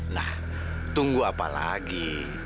nah tunggu apa lagi